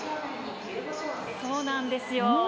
そうなんですよ